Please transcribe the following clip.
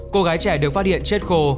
cô gái trẻ được phát hiện chết khô